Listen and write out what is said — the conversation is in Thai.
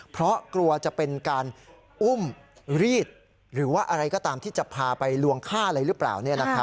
เพราะกลัวจะเป็นการอุ้มรีดหรือว่าอะไรก็ตามที่จะพาไปลวงฆ่าอะไรหรือเปล่า